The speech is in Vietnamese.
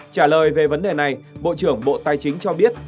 trả lời về vấn đề này bộ trưởng bộ tài chính cho biết